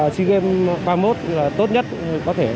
seagame ba mươi một là tốt nhất có thể